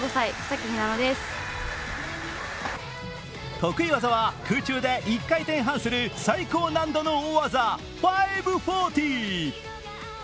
得意技は空中で１回転半する最高難度の大技５４０。